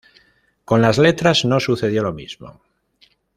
Con las letras no sucedió lo mismo.